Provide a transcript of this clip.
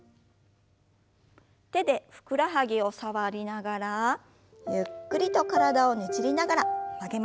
手でふくらはぎを触りながらゆっくりと体をねじりながら曲げましょう。